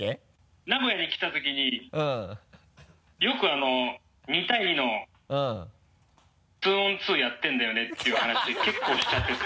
名古屋に来たときによく２対２のツーオンツーやってるんだよねっていう話結構しちゃってて。